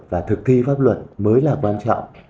và thực thi pháp luật mới là quan trọng